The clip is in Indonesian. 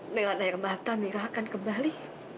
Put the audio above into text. dengan air mata mirah akan kembali